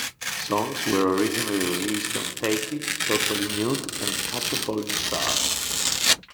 Songs were originally released on "Take It", "Totally Nude", and "Catch a Falling Star".